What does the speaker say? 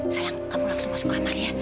sayang kamu langsung masuk ke kamar ya